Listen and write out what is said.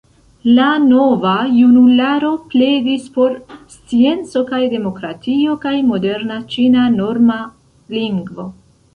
La Nova Junularo pledis por scienco kaj demokratio kaj moderna ĉina norma lingvo.